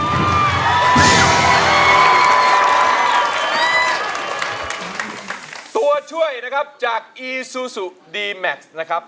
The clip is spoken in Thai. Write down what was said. อันนี้ตัวช่วยจากอีซูซูดีแม็กซ์นะครับ